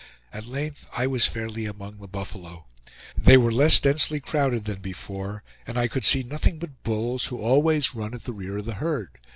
At length I was fairly among the buffalo. They were less densely crowded than before, and I could see nothing but bulls, who always run at the rear of the herd.